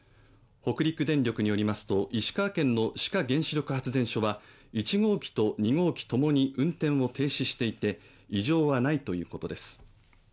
北陸電力によりますと石川県の志賀原子力発電所は１号機と２号機共に運転を停止していて異常はないということです。